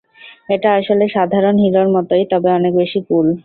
এটা আসলে সাধারণ হিরোর মতোই তবে অনেক বেশি কুল।